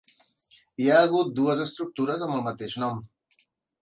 Hi ha hagut dues estructures amb el mateix nom.